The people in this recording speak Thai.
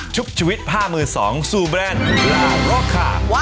ชุบชีวิตผ้ามือสองซูแบรนด์แล้วเลาค่ะ